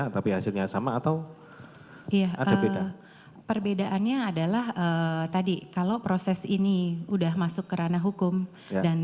tapi hasilnya sama atau iya perbedaannya adalah tadi kalau proses ini udah masuk ke ranah hukum dan